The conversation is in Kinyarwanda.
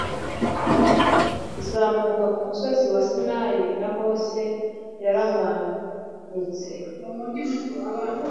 uzamuka ku musozi wa Sinayi na Mose yaramanutse